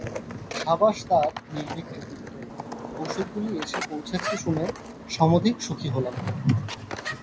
সাবাস তাঁর নির্ভীক কৃতিত্ব! ঔষধগুলি এসে পৌঁছেছে শুনে সমধিক সুখী হলাম।